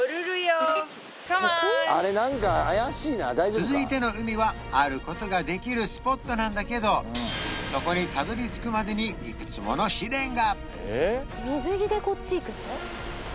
続いての海はあることができるスポットなんだけどそこにたどり着くまでにいくつもの試練が！